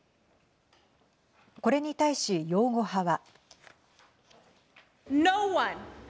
これに対し擁護派は。